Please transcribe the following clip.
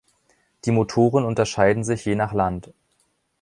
Die Motoren unterscheiden sich je nach Land.